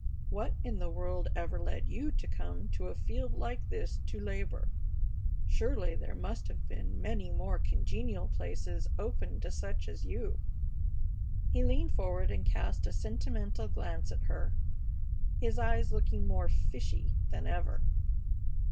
What in the world ever led you to come to a field like this to labor? Surely there must have been many more congenial places open to such as you." He leaned forward and cast a sentimental glance at her, his eyes looking more "fishy" than ever.